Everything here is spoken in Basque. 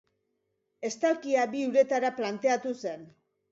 Estalkia bi uretara planteatu zen.